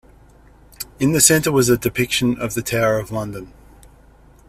In the centre was a depiction of the Tower of London.